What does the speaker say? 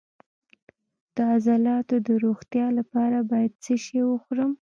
د عضلاتو د روغتیا لپاره باید څه شی وخورم؟